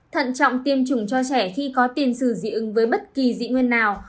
thận trọng tiêm chủng cho trẻ khi có tiền sử dị ứng với bất kỳ dị nguyên nào